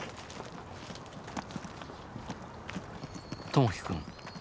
友輝くん